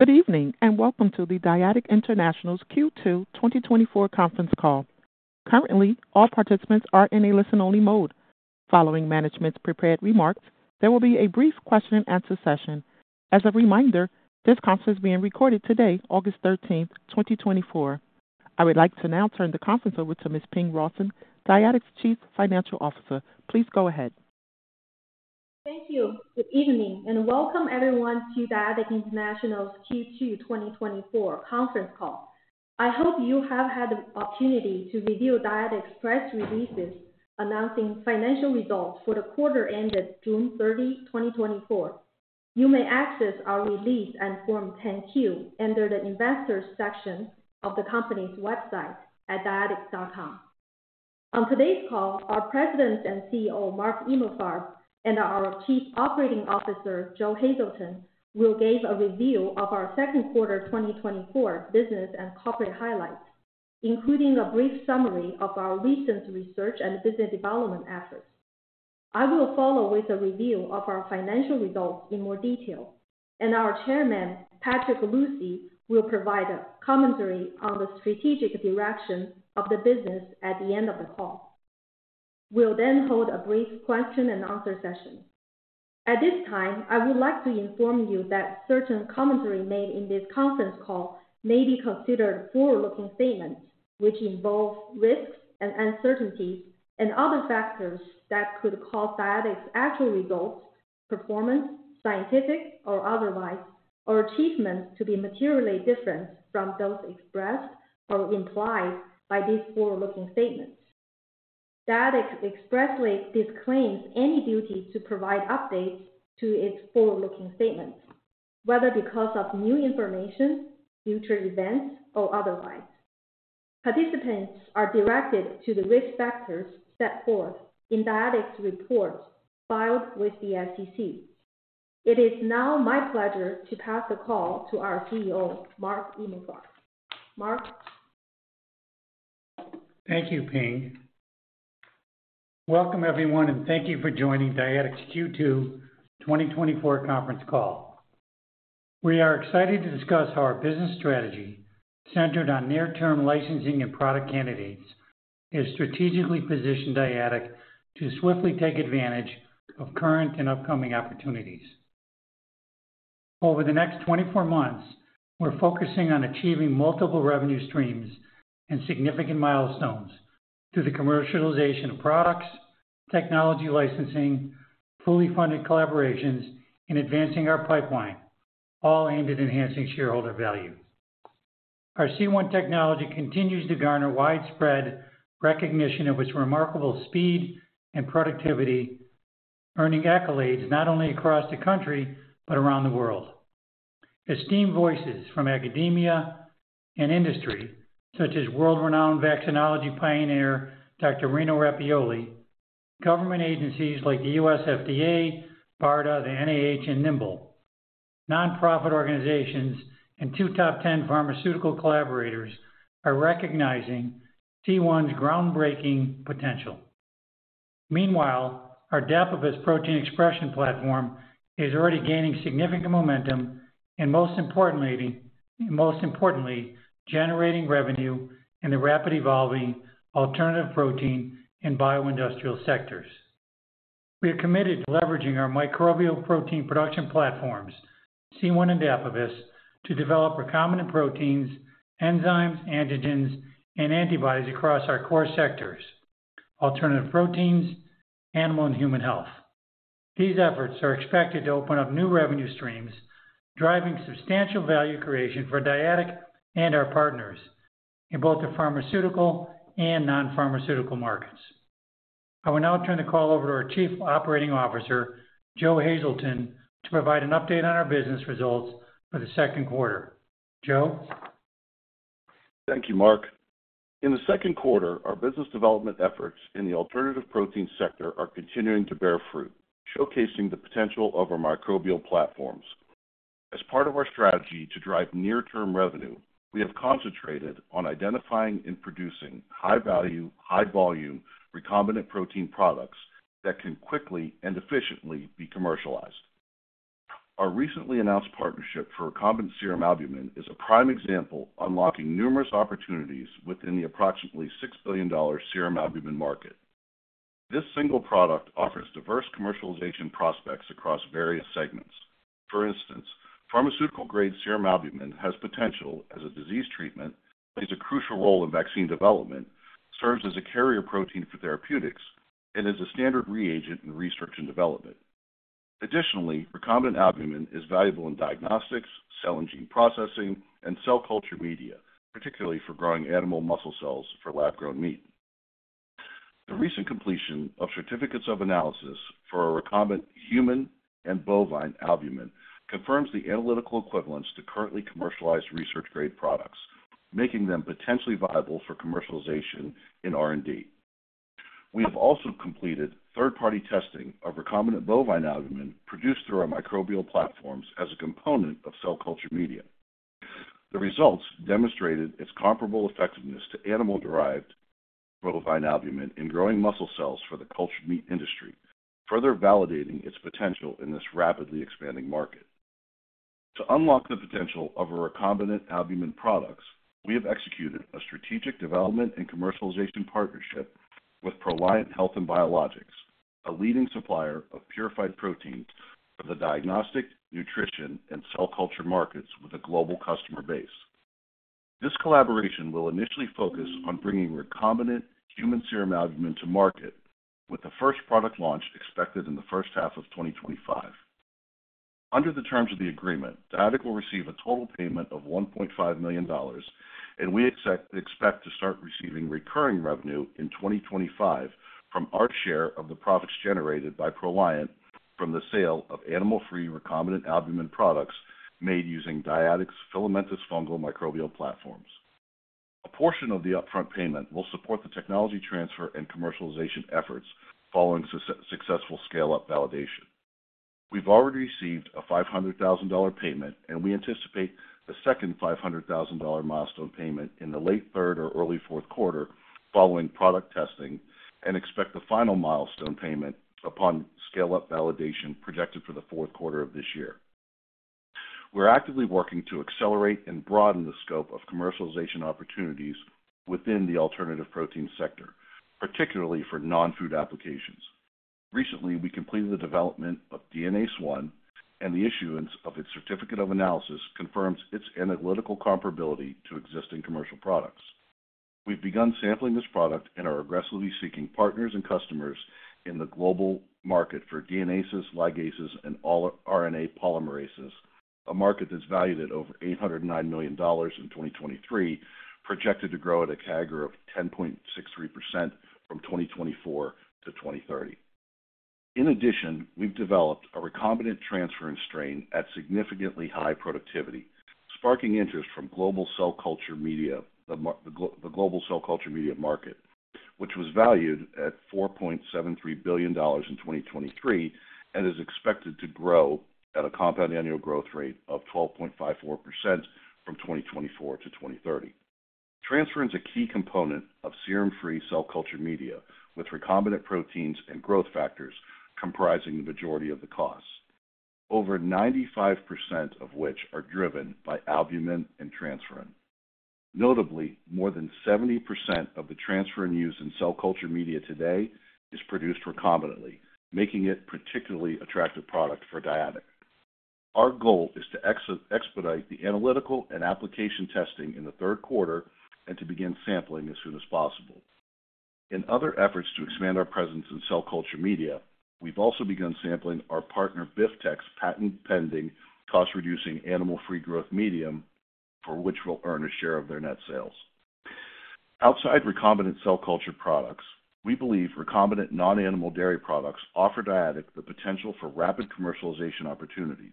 Good evening, and welcome to the Dyadic International's Q2 2024 conference call. Currently, all participants are in a listen-only mode. Following management's prepared remarks, there will be a brief question-and-answer session. As a reminder, this conference is being recorded today, August 13, 2024. I would like to now turn the conference over to Ms. Ping Rawson, Dyadic's Chief Financial Officer. Please go ahead. Thank you. Good evening, and welcome everyone to Dyadic International's Q2 2024 conference call. I hope you have had the opportunity to review Dyadic's press releases announcing financial results for the quarter ended June 30, 2024. You may access our release at Form 10-Q, under the Investors section of the company's website at dyadic.com. On today's call, our President and CEO, Mark Emalfarb, and our Chief Operating Officer, Joe Hazelton, will give a review of our second quarter 2024 business and corporate highlights, including a brief summary of our recent research and business development efforts. I will follow with a review of our financial results in more detail, and our Chairman, Patrick Lucy, will provide a commentary on the strategic direction of the business at the end of the call. We'll then hold a brief question-and-answer session. At this time, I would like to inform you that certain commentary made in this conference call may be considered forward-looking statements, which involve risks and uncertainties and other factors that could cause Dyadic's actual results, performance, scientific or otherwise, or achievements to be materially different from those expressed or implied by these forward-looking statements. Dyadic expressly disclaims any duty to provide updates to its forward-looking statements, whether because of new information, future events, or otherwise. Participants are directed to the risk factors set forth in Dyadic's reports filed with the SEC. It is now my pleasure to pass the call to our CEO, Mark Emalfarb. Mark? Thank you, Ping. Welcome, everyone, and thank you for joining Dyadic's Q2 2024 conference call. We are excited to discuss how our business strategy, centered on near-term licensing and product candidates, has strategically positioned Dyadic to swiftly take advantage of current and upcoming opportunities. Over the next 24 months, we're focusing on achieving multiple revenue streams and significant milestones through the commercialization of products, technology licensing, fully funded collaborations, and advancing our pipeline, all aimed at enhancing shareholder value. Our C1 technology continues to garner widespread recognition of its remarkable speed and productivity, earning accolades not only across the country, but around the world. Esteemed voices from academia and industry, such as world-renowned vaccinology pioneer, Dr. Rino Rappioli, government agencies like the U.S. FDA, BARDA, the NIH, and NIIMBL, nonprofit organizations, and two top ten pharmaceutical collaborators are recognizing C1's groundbreaking potential. Meanwhile, our Dapibus protein expression platform is already gaining significant momentum and, most importantly, most importantly, generating revenue in the rapid evolving alternative protein and bioindustrial sectors. We are committed to leveraging our microbial protein production platforms, C1 and Dapibus, to develop recombinant proteins, enzymes, antigens, and antibodies across our core sectors: alternative proteins, animal and human health. These efforts are expected to open up new revenue streams, driving substantial value creation for Dyadic and our partners in both the pharmaceutical and non-pharmaceutical markets. I will now turn the call over to our Chief Operating Officer, Joe Hazelton, to provide an update on our business results for the second quarter. Joe? Thank you, Mark. In the second quarter, our business development efforts in the alternative protein sector are continuing to bear fruit, showcasing the potential of our microbial platforms. As part of our strategy to drive near-term revenue, we have concentrated on identifying and producing high-value, high-volume recombinant protein products that can quickly and efficiently be commercialized. Our recently announced partnership for recombinant serum albumin is a prime example, unlocking numerous opportunities within the approximately $6 billion serum albumin market. This single product offers diverse commercialization prospects across various segments. For instance, pharmaceutical-grade serum albumin has potential as a disease treatment, plays a crucial role in vaccine development, serves as a carrier protein for therapeutics, and is a standard reagent in research and development. Additionally, recombinant albumin is valuable in diagnostics, cell and gene processing, and cell culture media, particularly for growing animal muscle cells for lab-grown meat. The recent completion of certificates of analysis for our recombinant human and bovine albumin confirms the analytical equivalence to currently commercialized research-grade products, making them potentially viable for commercialization in R&D. We have also completed third-party testing of recombinant bovine albumin produced through our microbial platforms as a component of cell culture media. The results demonstrated its comparable effectiveness to animal-derived bovine albumin in growing muscle cells for the cultured meat industry, further validating its potential in this rapidly expanding market. To unlock the potential of our recombinant albumin products, we have executed a strategic development and commercialization partnership with Proliant Health & Biologicals, a leading supplier of purified proteins for the diagnostic, nutrition, and cell culture markets with a global customer base. This collaboration will initially focus on bringing recombinant human serum albumin to market, with the first product launch expected in the first half of 2025. Under the terms of the agreement, Dyadic will receive a total payment of $1.5 million, and we expect to start receiving recurring revenue in 2025 from our share of the profits generated by Proliant from the sale of animal-free recombinant albumin products made using Dyadic's filamentous fungal microbial platforms. A portion of the upfront payment will support the technology transfer and commercialization efforts following successful scale-up validation. We've already received a $500,000 payment, and we anticipate the second $500,000 milestone payment in the late third or early fourth quarter, following product testing, and expect the final milestone payment upon scale-up validation, projected for the fourth quarter of this year. We're actively working to accelerate and broaden the scope of commercialization opportunities within the alternative protein sector, particularly for non-food applications. Recently, we completed the development of DNase I, and the issuance of its certificate of analysis confirms its analytical comparability to existing commercial products. We've begun sampling this product and are aggressively seeking partners and customers in the global market for DNases, ligases, and all RNA polymerases, a market that's valued at over $809 million in 2023, projected to grow at a CAGR of 10.63% from 2024 to 2030. In addition, we've developed a recombinant transferrin strain at significantly high productivity, sparking interest from global cell culture media, the global cell culture media market, which was valued at $4.73 billion in 2023, and is expected to grow at a compound annual growth rate of 12.54% from 2024 to 2030. Transferrin is a key component of serum-free cell culture media, with recombinant proteins and growth factors comprising the majority of the costs, over 95% of which are driven by albumin and transferrin. Notably, more than 70% of the transferrin used in cell culture media today is produced recombinantly, making it particularly attractive product for Dyadic. Our goal is to expedite the analytical and application testing in the third quarter, and to begin sampling as soon as possible. In other efforts to expand our presence in cell culture media, we've also begun sampling our partner Biftek's patent-pending, cost-reducing, animal-free growth medium, for which we'll earn a share of their net sales. Outside recombinant cell culture products, we believe recombinant non-animal dairy products offer Dyadic the potential for rapid commercialization opportunities.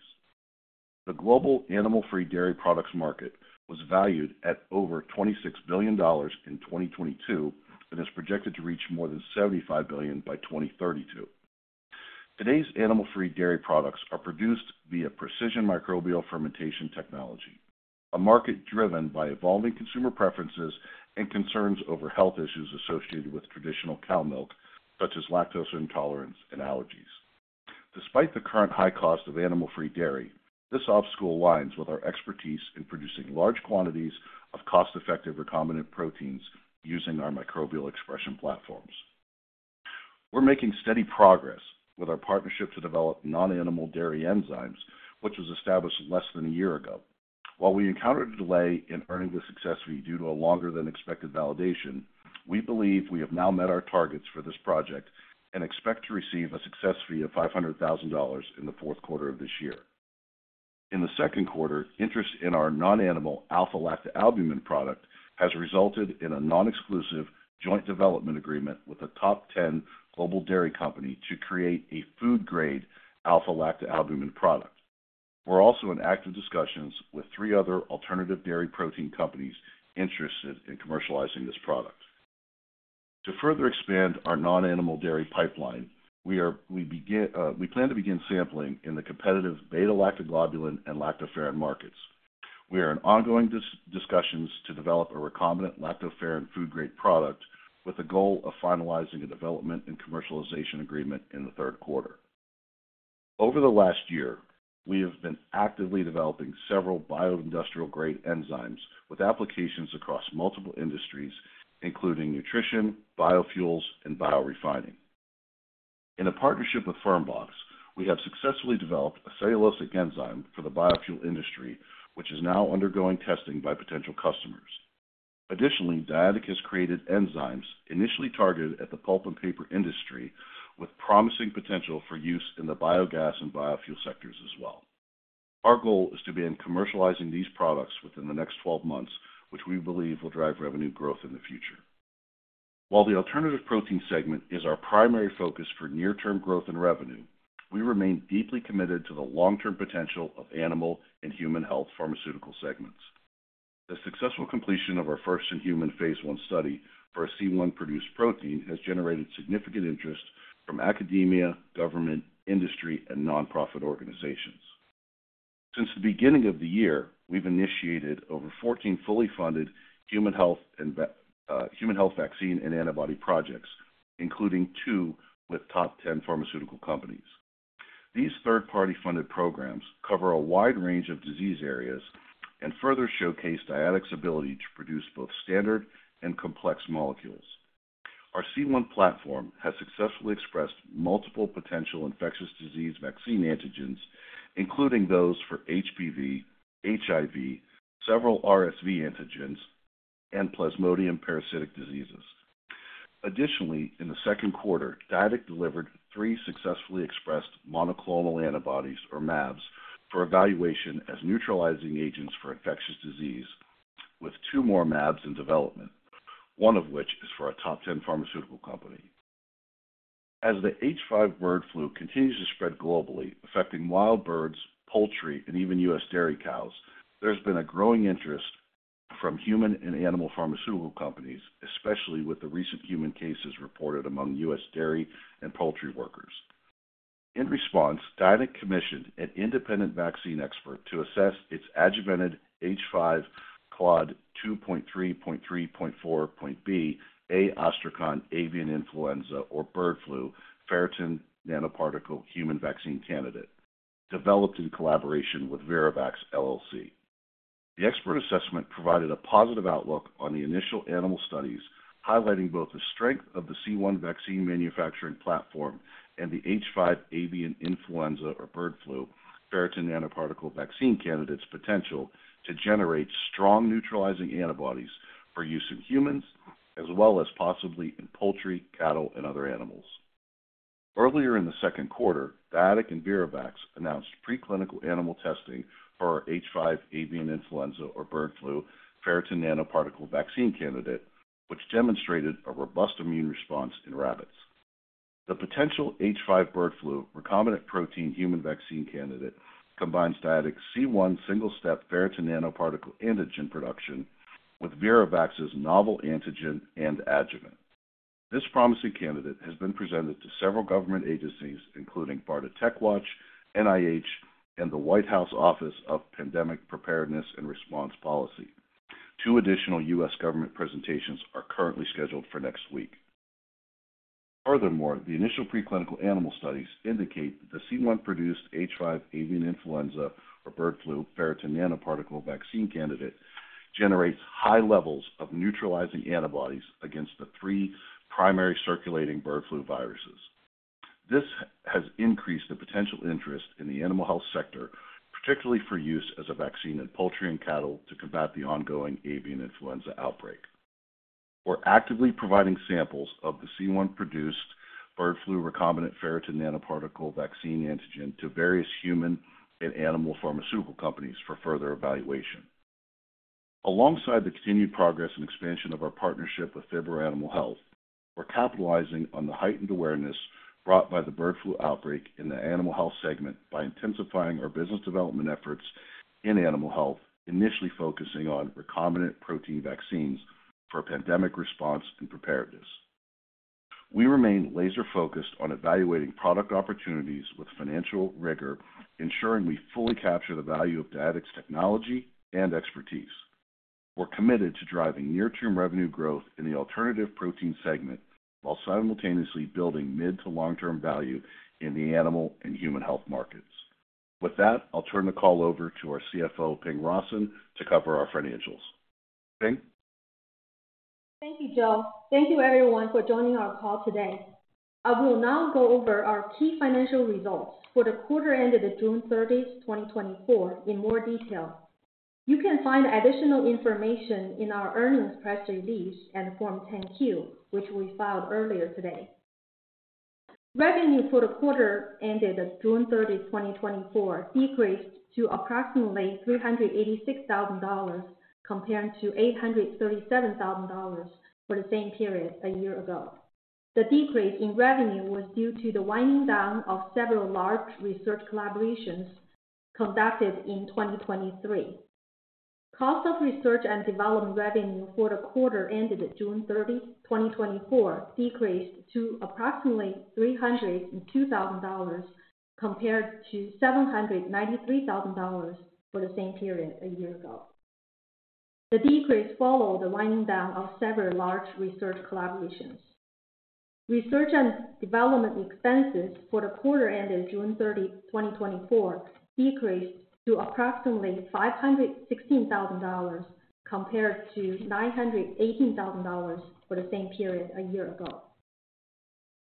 The global animal-free dairy products market was valued at over $26 billion in 2022, and is projected to reach more than $75 billion by 2032. Today's animal-free dairy products are produced via precision microbial fermentation technology, a market driven by evolving consumer preferences and concerns over health issues associated with traditional cow milk, such as lactose intolerance and allergies. Despite the current high cost of animal-free dairy, this obstacle aligns with our expertise in producing large quantities of cost-effective recombinant proteins using our microbial expression platforms. We're making steady progress with our partnership to develop non-animal dairy enzymes, which was established less than a year ago. While we encountered a delay in earning the success fee due to a longer than expected validation, we believe we have now met our targets for this project and expect to receive a success fee of $500,000 in the fourth quarter of this year. In the second quarter, interest in our non-animal alpha-lactalbumin product has resulted in a non-exclusive joint development agreement with a top 10 global dairy company to create a food grade alpha-lactalbumin product. We're also in active discussions with three other alternative dairy protein companies interested in commercializing this product. To further expand our non-animal dairy pipeline, we plan to begin sampling in the competitive beta-lactoglobulin and lactoferrin markets. We are in ongoing discussions to develop a recombinant lactoferrin food grade product with the goal of finalizing a development and commercialization agreement in the third quarter. Over the last year, we have been actively developing several bioindustrial-grade enzymes with applications across multiple industries, including nutrition, biofuels, and biorefining. In a partnership with Fermbox, we have successfully developed a cellulosic enzyme for the biofuel industry, which is now undergoing testing by potential customers. Additionally, Dyadic has created enzymes initially targeted at the pulp and paper industry, with promising potential for use in the biogas and biofuel sectors as well. Our goal is to begin commercializing these products within the next 12 months, which we believe will drive revenue growth in the future. While the alternative protein segment is our primary focus for near-term growth in revenue, we remain deeply committed to the long-term potential of animal and human health pharmaceutical segments. The successful completion of our first-in-human phase I study for a C1-produced protein has generated significant interest from academia, government, industry, and nonprofit organizations. Since the beginning of the year, we've initiated over 14 fully funded human health vaccine and antibody projects, including two with top ten pharmaceutical companies. These third-party funded programs cover a wide range of disease areas and further showcase Dyadic's ability to produce both standard and complex molecules. Our C1 platform has successfully expressed multiple potential infectious disease vaccine antigens, including those for HPV, HIV, several RSV antigens, and Plasmodium parasitic diseases. Additionally, in the second quarter, Dyadic delivered three successfully expressed monoclonal antibodies, or mAbs, for evaluation as neutralizing agents for infectious disease, with two more mAbs in development, one of which is for a top ten pharmaceutical company. As the H5 bird flu continues to spread globally, affecting wild birds, poultry, and even U.S. dairy cows, there's been a growing interest from human and animal pharmaceutical companies, especially with the recent human cases reported among U.S. dairy and poultry workers. In response, Dyadic commissioned an independent vaccine expert to assess its adjuvanted H5 Clade 2.3.3.4.b A/Ostrich avian influenza, or bird flu, ferritin nanoparticle human vaccine candidate, developed in collaboration with ViraVax LLC. The expert assessment provided a positive outlook on the initial animal studies, highlighting both the strength of the C1 vaccine manufacturing platform and the H5 avian influenza, or bird flu, ferritin nanoparticle vaccine candidate's potential to generate strong neutralizing antibodies for use in humans, as well as possibly in poultry, cattle, and other animals. Earlier in the second quarter, Dyadic and ViraVax announced preclinical animal testing for our H5 avian influenza, or bird flu, ferritin nanoparticle vaccine candidate, which demonstrated a robust immune response in rabbits. The potential H5 bird flu recombinant protein human vaccine candidate combines Dyadic's C1 single-step ferritin nanoparticle antigen production with ViraVax's novel antigen and adjuvant. This promising candidate has been presented to several government agencies, including BARDA TechWatch, NIH, and the White House Office of Pandemic Preparedness and Response Policy. Two additional U.S. government presentations are currently scheduled for next week. Furthermore, the initial preclinical animal studies indicate that the C1-produced H5 avian influenza, or bird flu, ferritin nanoparticle vaccine candidate generates high levels of neutralizing antibodies against the three primary circulating bird flu viruses. This has increased the potential interest in the animal health sector, particularly for use as a vaccine in poultry and cattle to combat the ongoing avian influenza outbreak. We're actively providing samples of the C1-produced bird flu recombinant ferritin nanoparticle vaccine antigen to various human and animal pharmaceutical companies for further evaluation. Alongside the continued progress and expansion of our partnership with Phibro Animal Health, we're capitalizing on the heightened awareness brought by the bird flu outbreak in the animal health segment by intensifying our business development efforts in animal health, initially focusing on recombinant protein vaccines for pandemic response and preparedness. We remain laser-focused on evaluating product opportunities with financial rigor, ensuring we fully capture the value of Dyadic's technology and expertise. We're committed to driving near-term revenue growth in the alternative protein segment, while simultaneously building mid to long-term value in the animal and human health markets. With that, I'll turn the call over to our CFO, Ping Rawson, to cover our financials. Ping? Thank you, Joe. Thank you, everyone, for joining our call today. I will now go over our key financial results for the quarter ended June 30, 2024 in more detail. You can find additional information in our earnings press release and Form 10-Q, which we filed earlier today. Revenue for the quarter ended June 30, 2024, decreased to approximately $386,000, compared to $837,000 for the same period a year ago. The decrease in revenue was due to the winding down of several large research collaborations conducted in 2023. Cost of research and development revenue for the quarter ended June 30, 2024, decreased to approximately $302,000, compared to $793,000 for the same period a year ago. The decrease followed the winding down of several large research collaborations. Research and development expenses for the quarter ended June 30, 2024, decreased to approximately $516,000, compared to $918,000 for the same period a year ago.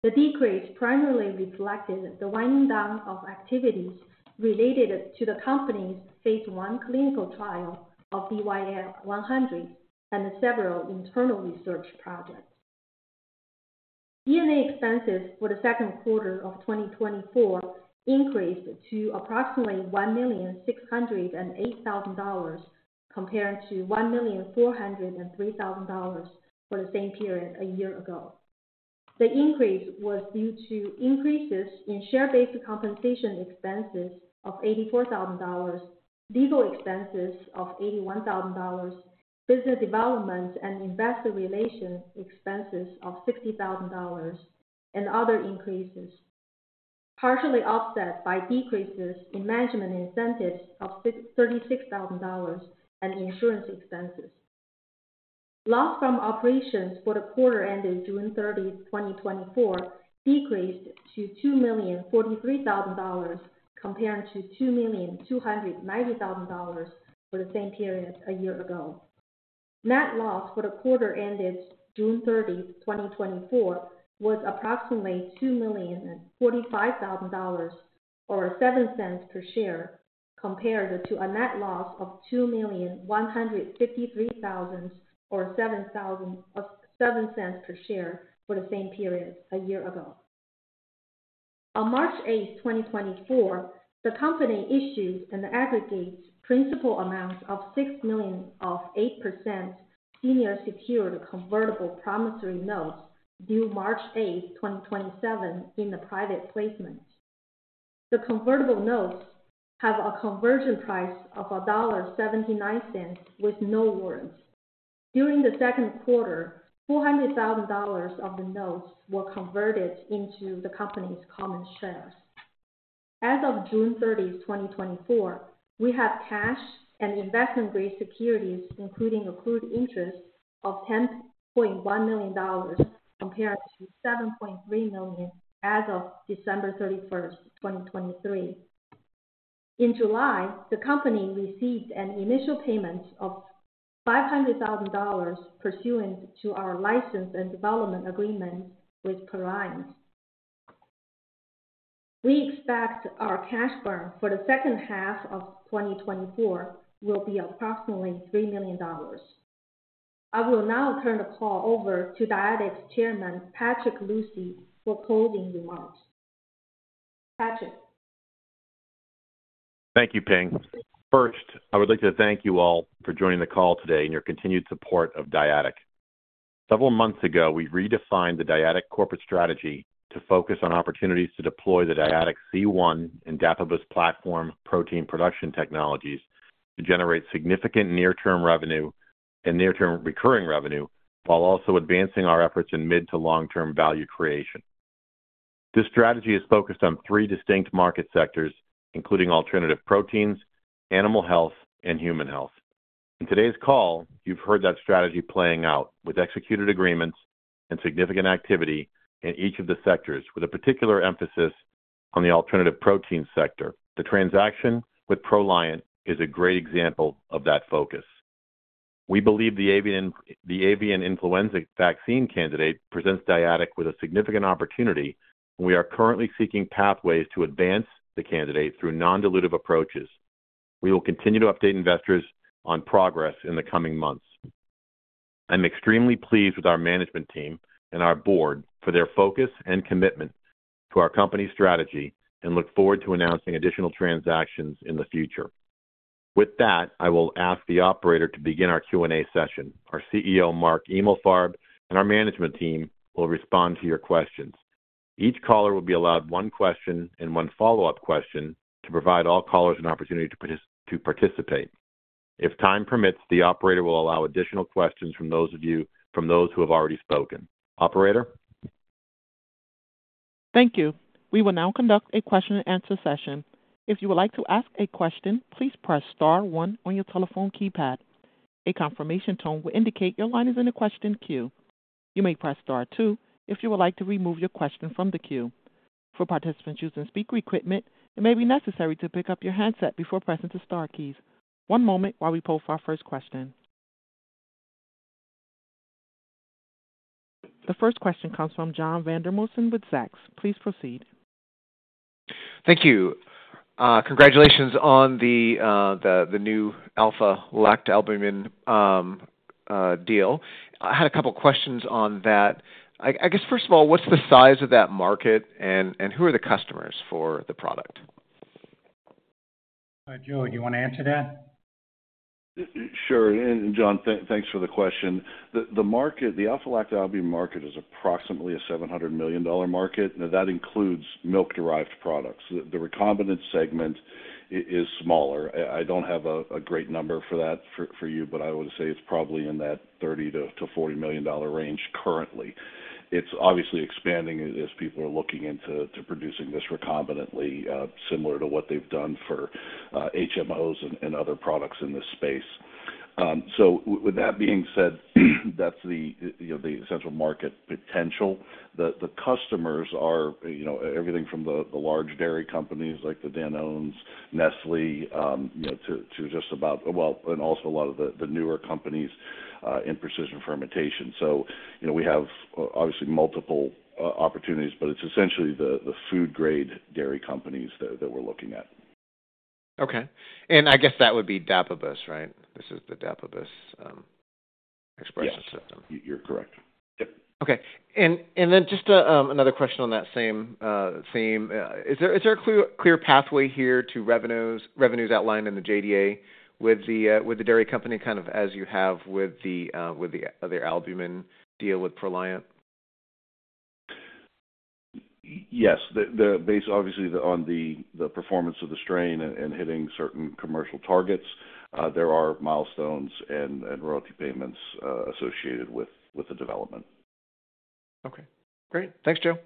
The decrease primarily reflected the winding down of activities related to the company's phase I clinical trial of DYAI-100 and several internal research projects. G&A expenses for the second quarter of 2024 increased to approximately $1,608,000, compared to $1,403,000 for the same period a year ago. The increase was due to increases in share-based compensation expenses of $84,000, legal expenses of $81,000... Business development and investor relation expenses of $60,000 and other increases, partially offset by decreases in management incentives of $36,000 and insurance expenses. Loss from operations for the quarter ended June 30, 2024, decreased to $2,043,000, compared to $2,290,000 for the same period a year ago. Net loss for the quarter ended June 30, 2024, was approximately $2,045,000, or $0.07 per share, compared to a net loss of $2,153,000, or $0.07 per share for the same period a year ago. On March 8, 2024, the company issued an aggregate principal amount of $6 million of 8% senior secured convertible promissory notes, due March 8, 2027, in the private placement. The convertible notes have a conversion price of $1.79 with no warrants. During the second quarter, $400,000 of the notes were converted into the company's common shares. As of June 30, 2024, we have cash and investment-grade securities, including accrued interest of $10.1 million, compared to $7.3 million as of December 31, 2023. In July, the company received an initial payment of $500,000 pursuant to our license and development agreement with Proliant. We expect our cash burn for the second half of 2024 will be approximately $3 million. I will now turn the call over to Dyadic's chairman, Patrick Lucy, for closing remarks. Patrick? Thank you, Ping. First, I would like to thank you all for joining the call today and your continued support of Dyadic. Several months ago, we redefined the Dyadic corporate strategy to focus on opportunities to deploy the Dyadic C1 and Dapibus platform protein production technologies to generate significant near-term revenue and near-term recurring revenue, while also advancing our efforts in mid to long-term value creation. This strategy is focused on three distinct market sectors, including alternative proteins, animal health, and human health. In today's call, you've heard that strategy playing out with executed agreements and significant activity in each of the sectors, with a particular emphasis on the alternative protein sector. The transaction with Proliant is a great example of that focus. We believe the avian influenza vaccine candidate presents Dyadic with a significant opportunity, and we are currently seeking pathways to advance the candidate through non-dilutive approaches. We will continue to update investors on progress in the coming months. I'm extremely pleased with our management team and our board for their focus and commitment to our company's strategy and look forward to announcing additional transactions in the future. With that, I will ask the operator to begin our Q&A session. Our CEO, Mark Emalfarb, and our management team will respond to your questions. Each caller will be allowed one question and one follow-up question to provide all callers an opportunity to participate. If time permits, the operator will allow additional questions from those who have already spoken. Operator? Thank you. We will now conduct a question-and-answer session. If you would like to ask a question, please press star one on your telephone keypad. A confirmation tone will indicate your line is in the question queue. You may press star two if you would like to remove your question from the queue. For participants using speaker equipment, it may be necessary to pick up your handset before pressing the star keys. One moment while we poll for our first question. The first question comes from John Vandermolen with Zacks. Please proceed. Thank you. Congratulations on the new alpha-lactalbumin deal. I had a couple questions on that. I guess, first of all, what's the size of that market and who are the customers for the product? Joe, do you want to answer that? Sure. And John, thanks for the question. The market, the alpha-lactalbumin market is approximately a $700 million market, now that includes milk-derived products. The recombinant segment is smaller. I don't have a great number for that for you, but I would say it's probably in that $30 million-$40 million range currently. It's obviously expanding as people are looking into producing this recombinantly, similar to what they've done for HMOs and other products in this space. So with that being said, that's the essential market potential. The customers are everything from the large dairy companies like Danone, Nestlé, you know, to just about... Well, and also a lot of the newer companies in precision fermentation. You know, we have obviously multiple opportunities, but it's essentially the food grade dairy companies that we're looking at. Okay. And I guess that would be Dapibus, right? This is the Dapibus expression system. Yes, you're correct. Yep. Okay. And, and then just a another question on that same, same, is there, is there a clear, clear pathway here to revenues, revenues outlined in the JDA with the, with the dairy company, kind of, as you have with the, with the other albumin deal with Proliant? Yes, the base, obviously, on the performance of the strain and hitting certain commercial targets, there are milestones and royalty payments associated with the development. Okay, great. Thanks, Joe.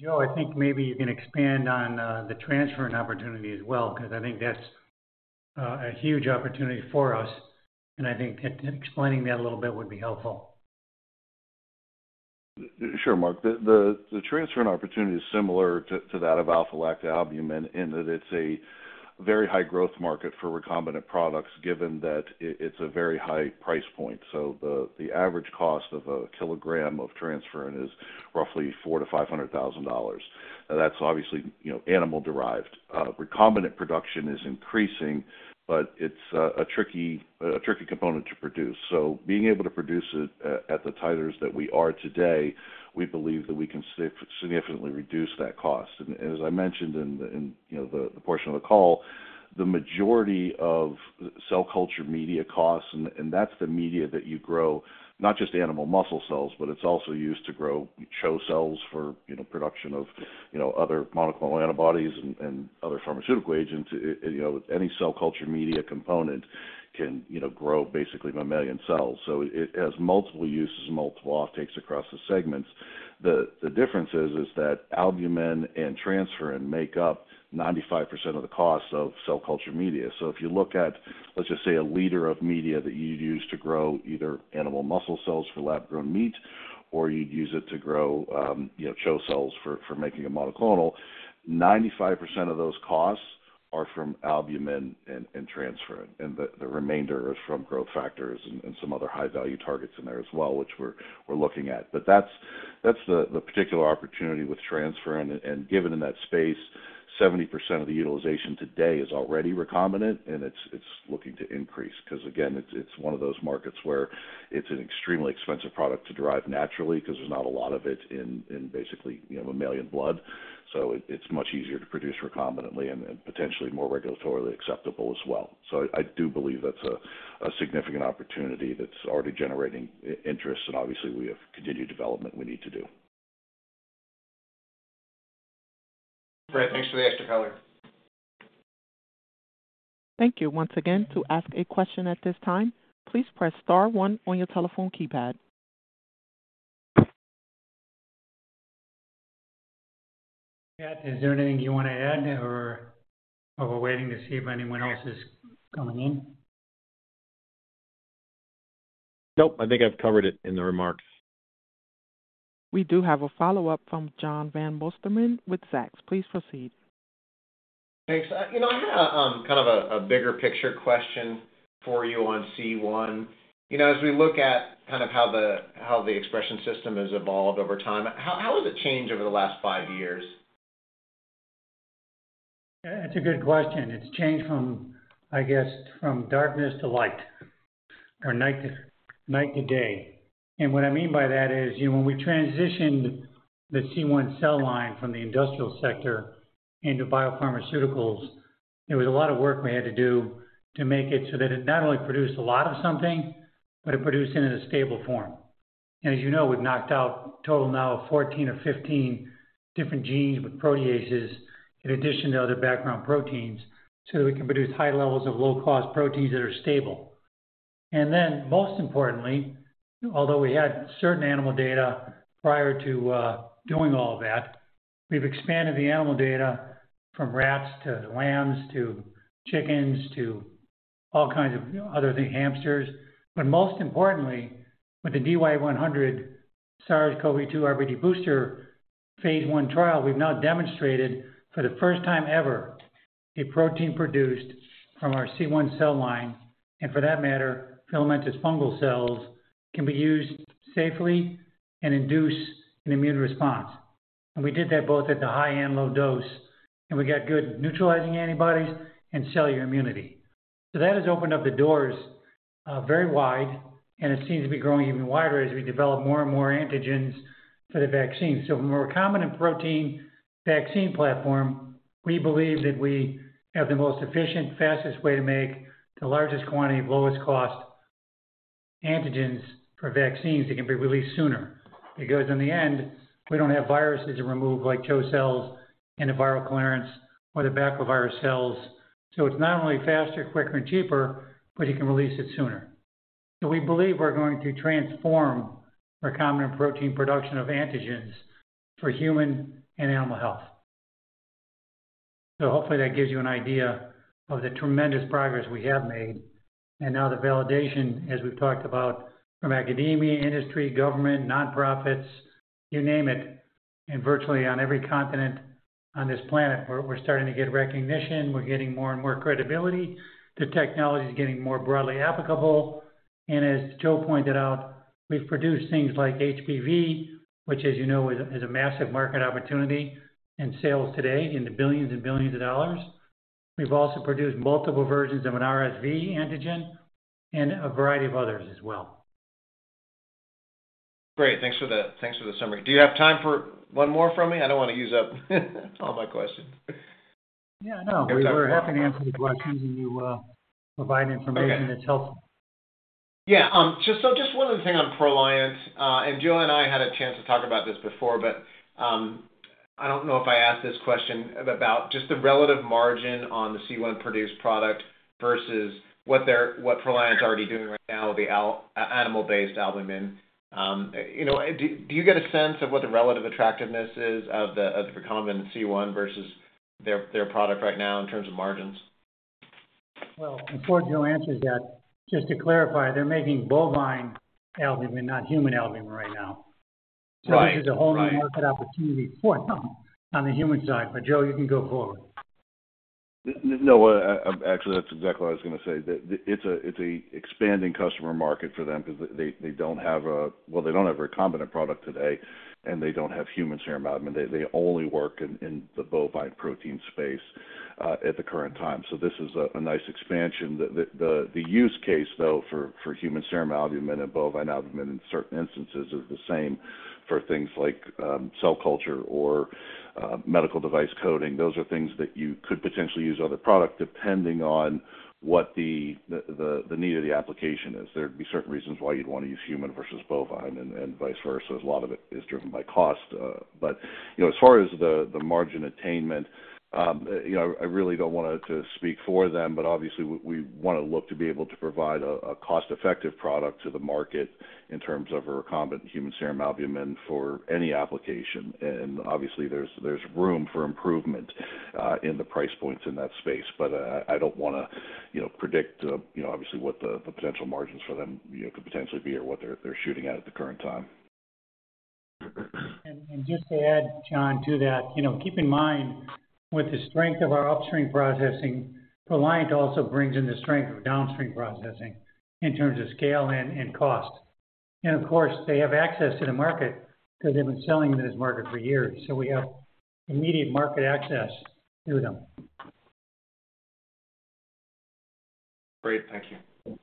Joe, I think maybe you can expand on the transferrin opportunity as well, because I think that's a huge opportunity for us, and I think explaining that a little bit would be helpful. Sure, Mark. The transferrin opportunity is similar to that of alpha-lactalbumin, in that it's a very high growth market for recombinant products, given that it's a very high price point. So the average cost of a kilogram of transferrin is roughly $400,000-$500,000. Now, that's obviously, you know, animal-derived. Recombinant production is increasing, but it's a tricky component to produce. So being able to produce it at the titers that we are today, we believe that we can significantly reduce that cost. As I mentioned in the, you know, the portion of the call, the majority of cell culture media costs, and that's the media that you grow, not just animal muscle cells, but it's also used to grow CHO cells for, you know, production of, you know, other monoclonal antibodies and other pharmaceutical agents. You know, any cell culture media component can, you know, grow basically mammalian cells. So it has multiple uses and multiple off takes across the segments. The difference is that albumin and transferrin make up 95% of the cost of cell culture media. So if you look at, let's just say, a liter of media that you'd use to grow either animal muscle cells for lab-grown meat, or you'd use it to grow, you know, CHO cells for making a monoclonal, 95% of those costs are from albumin and transferrin, and the remainder is from growth factors and some other high-value targets in there as well, which we're looking at. But that's the particular opportunity with transferrin. And given in that space, 70% of the utilization today is already recombinant, and it's looking to increase. Because, again, it's one of those markets where it's an extremely expensive product to derive naturally because there's not a lot of it in basically, you know, mammalian blood. So it's much easier to produce recombinantly and potentially more regulatorily acceptable as well. So I do believe that's a significant opportunity that's already generating interest, and obviously, we have continued development we need to do. Great. Thanks for the extra color. Thank you. Once again, to ask a question at this time, please press star one on your telephone keypad. Pat, is there anything you want to add, or are we waiting to see if anyone else is coming in? Nope. I think I've covered it in the remarks. We do have a follow-up from John Vandermolen with Zacks. Please proceed. Thanks. You know, I had a kind of a bigger picture question for you on C1. You know, as we look at kind of how the expression system has evolved over time, how has it changed over the last five years? That's a good question. It's changed from, I guess, from darkness to light or night to, night to day. And what I mean by that is, you know, when we transitioned the C1 cell line from the industrial sector into biopharmaceuticals, there was a lot of work we had to do to make it so that it not only produced a lot of something, but it produced it in a stable form. And as you know, we've knocked out a total now of 14 or 15 different genes with proteases, in addition to other background proteins, so that we can produce high levels of low-cost proteins that are stable. And then, most importantly, although we had certain animal data prior to, doing all of that, we've expanded the animal data from rats to lambs to chickens to all kinds of other things, hamsters. But most importantly, with the DYAI-100 SARS-CoV-2 RBD booster phase I trial, we've now demonstrated, for the first time ever, a protein produced from our C1 cell line, and for that matter, filamentous fungal cells, can be used safely and induce an immune response. And we did that both at the high and low dose, and we got good neutralizing antibodies and cellular immunity. So that has opened up the doors, very wide, and it seems to be growing even wider as we develop more and more antigens for the vaccine. So from a recombinant protein vaccine platform, we believe that we have the most efficient, fastest way to make the largest quantity of lowest cost antigens for vaccines that can be released sooner. Because in the end, we don't have viruses to remove, like CHO cells and a viral clearance or the baculovirus cells. So it's not only faster, quicker, and cheaper, but you can release it sooner. So we believe we're going to transform recombinant protein production of antigens for human and animal health. So hopefully that gives you an idea of the tremendous progress we have made. And now the validation, as we've talked about from academia, industry, government, nonprofits, you name it, and virtually on every continent on this planet, we're starting to get recognition. We're getting more and more credibility. The technology is getting more broadly applicable. And as Joe pointed out, we've produced things like HPV, which, as you know, is a massive market opportunity and sales today in the $ billions and $ billions. We've also produced multiple versions of an RSV antigen and a variety of others as well. Great. Thanks for the, thanks for the summary. Do you have time for one more from me? I don't want to use up all my questions. Yeah, no, we're happy to answer the questions and provide information that's helpful. Yeah, just one other thing on Proliant, and Joe and I had a chance to talk about this before, but I don't know if I asked this question about just the relative margin on the C1 produced product versus what they're, what Proliant is already doing right now with the animal-based albumin. You know, do you get a sense of what the relative attractiveness is of the recombinant C1 versus their product right now in terms of margins? Well, before Joe answers that, just to clarify, they're making bovine albumin, not human albumin right now. Right. This is a whole new market opportunity for them on the human side. But, Joe, you can go forward. No, actually, that's exactly what I was gonna say. That it's an expanding customer market for them because they don't have a... Well, they don't have a recombinant product today, and they don't have human serum albumin. They only work in the bovine protein space at the current time. So this is a nice expansion. The use case, though, for human serum albumin and bovine albumin in certain instances is the same for things like cell culture or medical device coating. Those are things that you could potentially use other product, depending on what the need of the application is. There'd be certain reasons why you'd want to use human versus bovine and vice versa. A lot of it is driven by cost. But, you know, as far as the margin attainment, you know, I really don't want to speak for them, but obviously we want to look to be able to provide a cost-effective product to the market in terms of a recombinant human serum albumin for any application. And obviously, there's room for improvement in the price points in that space. But, I don't wanna, you know, predict, you know, obviously what the potential margins for them, you know, could potentially be or what they're shooting at at the current time. Just to add, John, to that, you know, keep in mind, with the strength of our upstream processing, Proliant also brings in the strength of downstream processing in terms of scale and cost. And of course, they have access to the market because they've been selling in this market for years, so we have immediate market access through them. Great. Thank you.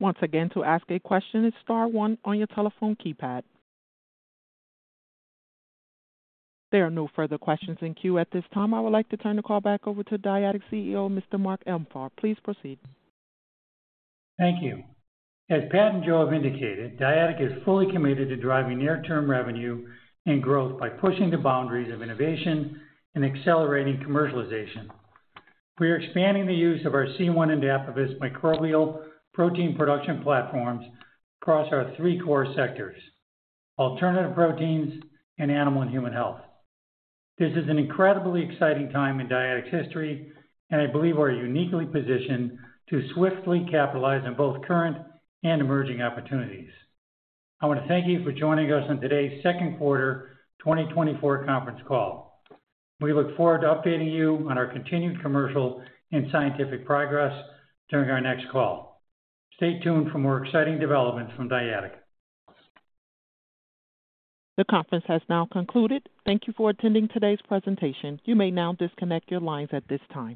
Once again, to ask a question, it's star one on your telephone keypad. There are no further questions in queue at this time. I would like to turn the call back over to Dyadic CEO, Mr. Mark Emalfarb. Please proceed. Thank you. As Pat and Joe have indicated, Dyadic is fully committed to driving near-term revenue and growth by pushing the boundaries of innovation and accelerating commercialization. We are expanding the use of our C1 and Dapibus microbial protein production platforms across our three core sectors: alternative proteins and animal and human health. This is an incredibly exciting time in Dyadic's history, and I believe we're uniquely positioned to swiftly capitalize on both current and emerging opportunities. I want to thank you for joining us on today's second quarter 2024 conference call. We look forward to updating you on our continued commercial and scientific progress during our next call. Stay tuned for more exciting developments from Dyadic. The conference has now concluded. Thank you for attending today's presentation. You may now disconnect your lines at this time.